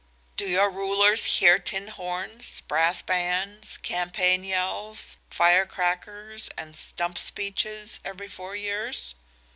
"Do your rulers hear tin horns, brass bands, campaign yells, firecrackers and stump speeches every four years?